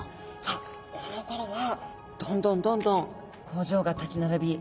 このころはどんどんどんどん工場が立ち並び